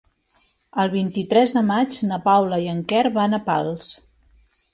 El vint-i-tres de maig na Paula i en Quer van a Pals.